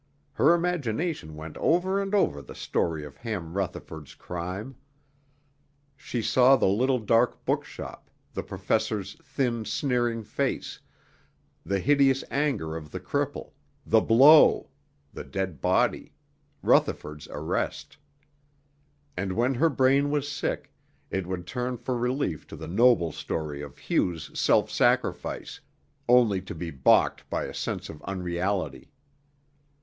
Her imagination went over and over the story of Ham Rutherford's crime. She saw the little dark bookshop, the professor's thin, sneering face, the hideous anger of the cripple, the blow, the dead body, Rutherford's arrest. And when her brain was sick, it would turn for relief to the noble story of Hugh's self sacrifice, only to be balked by a sense of unreality.